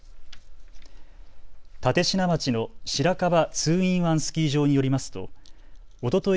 立科町のしらかば２ｉｎ１スキー場によりますとおととい